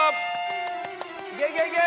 いけいけいけ！